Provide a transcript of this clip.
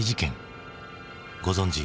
ご存じ